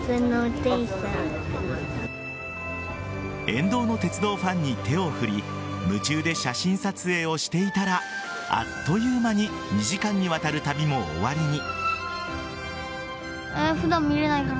沿道の鉄道ファンに手を振り夢中で写真撮影をしていたらあっという間に２時間にわたる旅も終わりに。